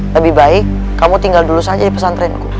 lebih baik kamu tinggal dulu saja di pesantrenku